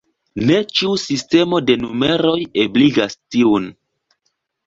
Ne ĉiu sistemo de numeroj ebligas tiun.